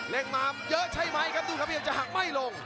เล็งมาเยอะใช่ไหมครับดูครับเหมือนจะหักไม่ลง